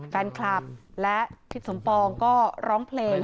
แฟนคลับและทิศสมปองก็ร้องเพลง